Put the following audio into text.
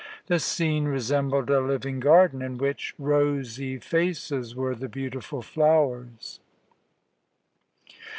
The scene resembled a living garden, in which rosy faces were the beautiful flowers.